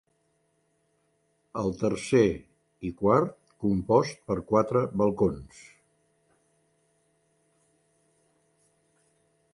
El tercer i quart compost per quatre balcons.